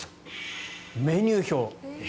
メニュー表。